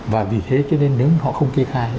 và vì thế cho nên nếu họ không kê khai